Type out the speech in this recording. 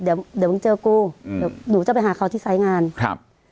เดี๋ยวเดี๋ยวมึงเจอกูอืมหนูจะไปหาเขาที่ไซน์งานครับ